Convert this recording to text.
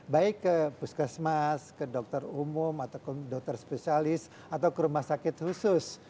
baik ke puskesmas ke dokter umum atau ke dokter spesialis atau ke rumah sakit khusus